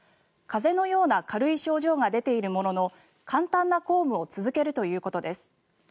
風邪のような軽い症状が出ているものの簡単な公務を続けるということです。